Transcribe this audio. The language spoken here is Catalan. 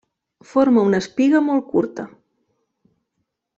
Forma una espiga molt curta.